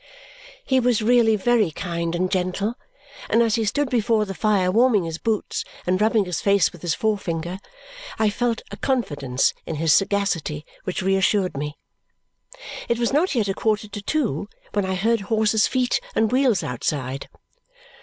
He was really very kind and gentle, and as he stood before the fire warming his boots and rubbing his face with his forefinger, I felt a confidence in his sagacity which reassured me. It was not yet a quarter to two when I heard horses' feet and wheels outside.